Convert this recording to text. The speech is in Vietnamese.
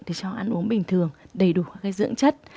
thì cho ăn ốm bình thường đầy đủ dưỡng chất